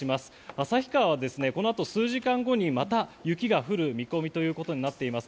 旭川はこのあと数時間後にまた雪が降る見込みとなっています。